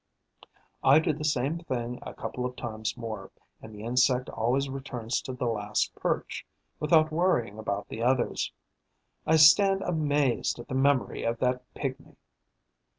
I do the same thing a couple of times more; and the insect always returns to the last perch, without worrying about the others. I stand amazed at the memory of that pigmy.